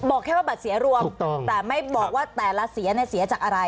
บอกแค่ว่าบัตรเสียรวมแต่ไม่บอกว่าแต่ละเสียเนี่ยเสียจากอะไร